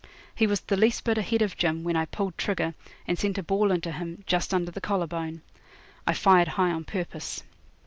He was the least bit ahead of Jim, when I pulled trigger, and sent a ball into him, just under the collar bone. I fired high on purpose.